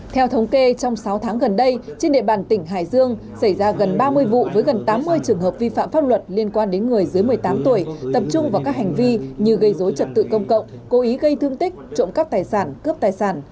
theo thống kê trong sáu tháng gần đây trên địa bàn tỉnh hải dương xảy ra gần ba mươi vụ với gần tám mươi trường hợp vi phạm pháp luật liên quan đến người dưới một mươi tám tuổi tập trung vào các hành vi như gây dối trật tự công cộng cố ý gây thương tích trộm cắp tài sản cướp tài sản